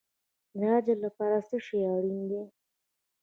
د اجر لپاره څه شی اړین دی؟